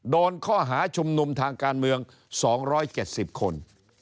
โดนข้อหาชุมนุมทางการเมือง๒๗๐คน